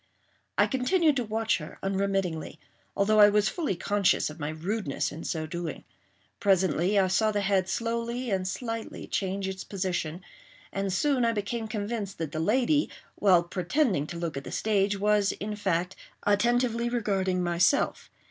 I continued to watch her unremittingly, although I was fully conscious of my rudeness in so doing. Presently I saw the head slowly and slightly change its position; and soon I became convinced that the lady, while pretending to look at the stage was, in fact, attentively regarding myself.